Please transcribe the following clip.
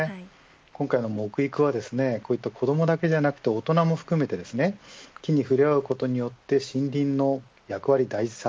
今回の木育は子どもだけではなく大人も含めて木に触れ合うことによって森林の役割、大事さ。